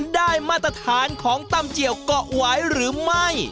ได้มาตรฐานของตำเจียวก็ไหวหรือไม่